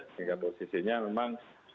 sehingga posisinya memang